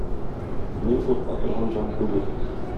Мин курка торган җан түгел.